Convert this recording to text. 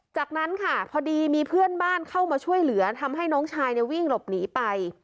จากนั้นค่ะพอดีมีเพื่อนบ้านเข้ามาช่วยเหลือทำให้น้องชายวิ่งหลบหนีไป